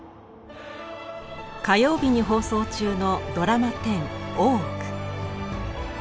火曜日に放送中のドラマ１０「大奥」。